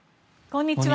こんにちは。